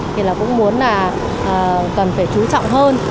thì là cũng muốn là cần phải chú trọng hơn